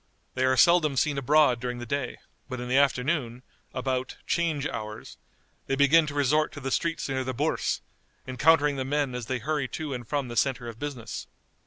They are seldom seen abroad during the day, but in the afternoon, about "'change hours," they begin to resort to the streets near the Bourse, encountering the men as they hurry to and from the centre of business.